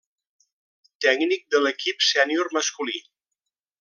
Tècnic de l'equip sènior masculí.